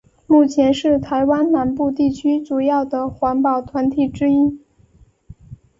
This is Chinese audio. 目前是台湾南部地区主要的环保团体之一。